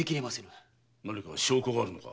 何か証拠があるのか？